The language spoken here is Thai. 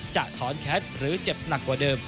จะถอนแคสหรือเจ็บหนักกว่าเดิม